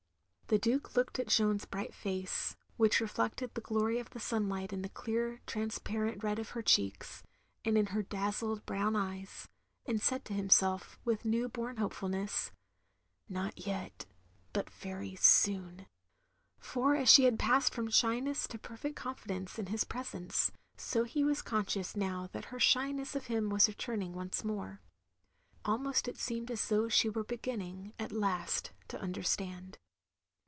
The Duke looked at Jeanne's bright face, which reflected the glory of the sunlight in the clear transparent red of her cheeks, and in her dazzled brown eyes — ^and said to himself, with new bom hopefulness —" Not yet — ^but very soon. " For as she had passed from shyness to perfect confidence in his presence, so he was conscious now that her shyness of him was returning once more. Almost it seemed as though she were beginning, at last, to understand.